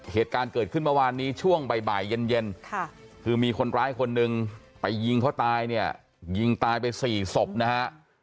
เหตุการณ์เกิดขึ้นเมื่อวานนี้ช่วงบ่ายเย็นคือมีคนร้ายคนหนึ่งไปยิงเขาตายเนี่ยยิงตายไป๔ศพนะฮะ